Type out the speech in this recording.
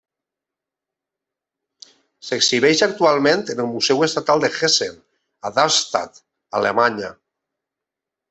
S'exhibeix actualment en el Museu Estatal de Hessen a Darmstadt, Alemanya.